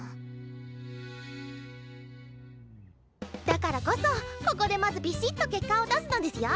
だからこそここでまずビシッと結果を出すのですよ！